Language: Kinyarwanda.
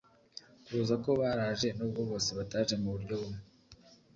kuza ko baraje n’ubwo bose bataje mu buryo bumwe